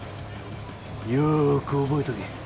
よーく覚えとけ。